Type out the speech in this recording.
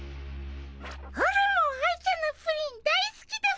オラも愛ちゃんのプリン大すきだっ